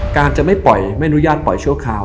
การจะไม่ปล่อยไม่อนุญาตปล่อยชั่วคราว